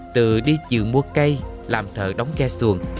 từ đi chiều mua cây làm thợ đóng ghe xuồng